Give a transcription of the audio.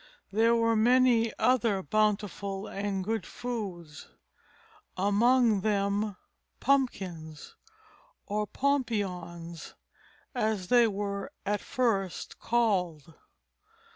There were many other bountiful and good foods, among them pumpkins or pompions, as they were at first called.